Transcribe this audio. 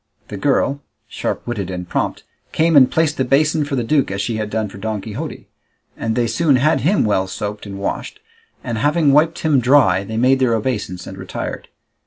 The girl, sharp witted and prompt, came and placed the basin for the duke as she had done for Don Quixote, and they soon had him well soaped and washed, and having wiped him dry they made their obeisance and retired.